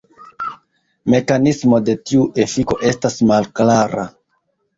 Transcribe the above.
Mekanismo de tiu efiko estas malklara.